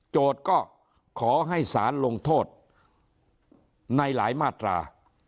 ก็ขอให้สารลงโทษในหลายมาตรา